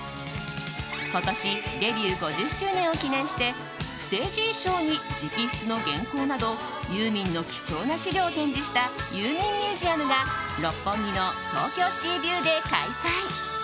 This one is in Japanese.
今年デビュー５０周年を記念してステージ衣装に直筆の原稿などユーミンの貴重な資料を展示したＹＵＭＩＮＧＭＵＳＥＵＭが六本木の東京シティビューで開催。